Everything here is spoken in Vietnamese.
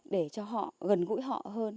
để cho họ gần gũi họ hơn